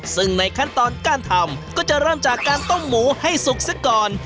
ซึ่งในขั้นตอนการทำก็จะเริ่มจากการต้มหมูให้สุกซะก่อน